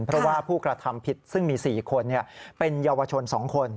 เพราะว่าผู้กระทำผิดซึ่งมี๔คนเป็นเยาวชน๒คน